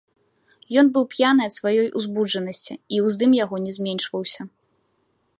Ён быў п'яны ад сваёй узбуджанасці, і ўздым яго не зменшваўся.